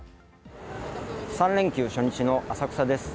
３連休初日の浅草です。